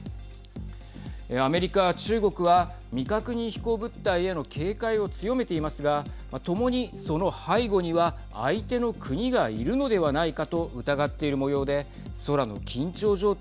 アメリカは中国は未確認飛行物体への警戒を強めていますが共に、その背後には相手の国がいるのではないかと疑っているもようで空の緊張状態